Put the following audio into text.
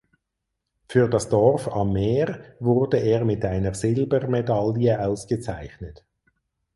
Für das "Dorf am Meer" wurde er mit einer Silbermedaille ausgezeichnet.